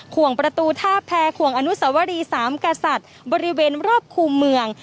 วงประตูท่าแพรขวงอนุสวรีสามกษัตริย์บริเวณรอบคู่เมือง